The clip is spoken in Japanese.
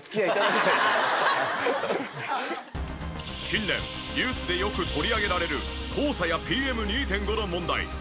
近年ニュースでよく取り上げられる黄砂やＰＭ２．５の問題。